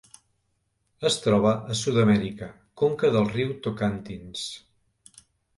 Es troba a Sud-amèrica: conca del riu Tocantins.